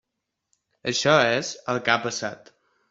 Això és el que ha passat.